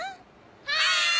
はい！